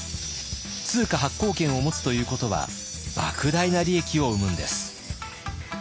通貨発行権を持つということはばく大な利益を生むんです。